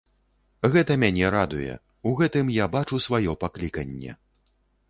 Гэта мяне радуе, у гэтым я бачу свае пакліканне.